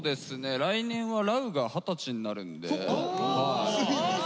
来年はラウが二十歳になるんで。